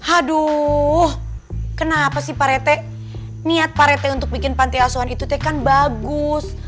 aduh kenapa sih parete niat parete untuk bikin panti asuhan itu kan bagus